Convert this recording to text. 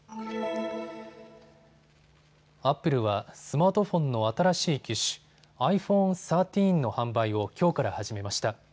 アップルはスマートフォンの新しい機種、ｉＰｈｏｎｅ１３の販売をきょうから始めました。